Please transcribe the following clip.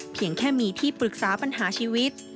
เพียงแค่มีที่ปรึกษาปัญหาชีวิต